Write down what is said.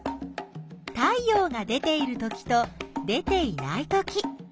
太陽が出ているときと出ていないとき。